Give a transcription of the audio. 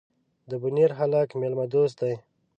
ده بونیر هلک میلمه دوست دي.